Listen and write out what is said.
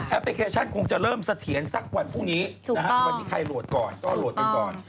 พลิเคชันคงจะเริ่มเสถียรสักวันพรุ่งนี้นะฮะวันนี้ใครโหลดก่อนก็โหลดกันก่อน